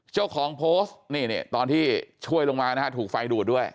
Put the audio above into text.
เจ้าของโพสต์นี่ตอนที่ช่วยลงมานะฮะถูกไฟดูดด้วย